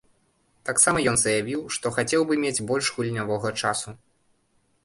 Таксама ён заявіў, што хацеў бы мець больш гульнявога часу.